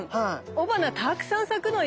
雄花たくさん咲くのよ。